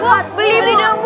buat beli bu